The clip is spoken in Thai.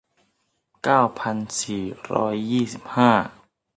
เก้าพันสี่ร้อยสี่สิบห้า